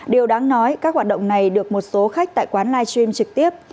điều đáng nói các hoạt động này được một số khách tại quán live stream trực tiếp